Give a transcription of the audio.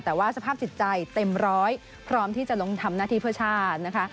แต่ว่าสภาพจิตใจเต็มร้อยพร้อมที่จะลงทำหน้าที่เพื่อชาตินะคะ